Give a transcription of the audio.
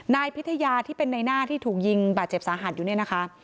นายพิทยาที่เป็นในหน้าที่ถูกยิงบาดเจ็บสาหัสอยู่เนี่ยนะคะ